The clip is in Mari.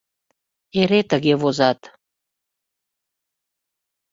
Эре тыге возат.